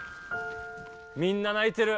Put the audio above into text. みんな泣いてる。